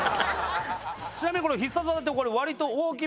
ちなみに。